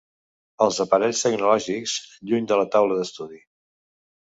Els aparells tecnològics, lluny de la taula d’estudi.